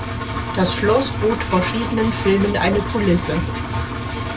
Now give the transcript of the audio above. Das Schloss bot verschiedenen Filmen eine Kulisse.